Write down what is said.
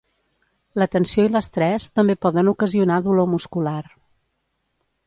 La tensió i l'estrès també poden ocasionar dolor muscular.